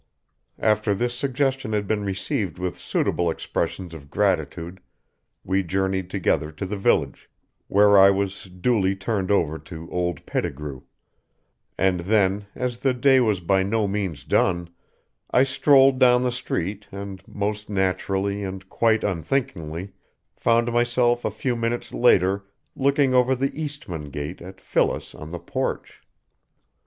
After this suggestion had been received with suitable expressions of gratitude, we journeyed together to the village, where I was duly turned over to old Pettigrew. And then, as the day was by no means done, I strolled down the street and, most naturally and quite unthinkingly, found myself a few minutes later looking over the Eastmann gate at Phyllis on the porch.